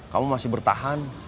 kamu masih bertahan